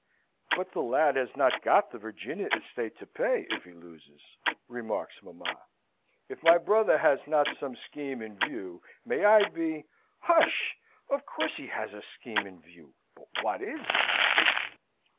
"But the lad has not got the Virginia estate to pay, if he loses," remarks mamma. "If my brother has not some scheme in view, may I be ." "Hush! Of course he has a scheme in view. But what is it?"